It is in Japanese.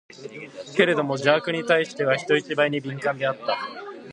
けれども邪悪に対しては、人一倍に敏感であった。